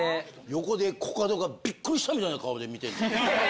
横でコカドがびっくりしたみたいな顔で見てる。